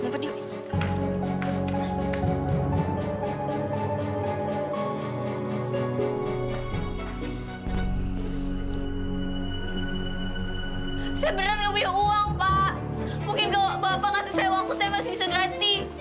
mungkin kalau bapak memberikan saya waktu saya masih bisa berhenti